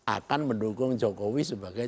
akan mendukung jokowi sebagai